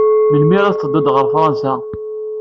Melmi ara teddud ɣer Fṛansa?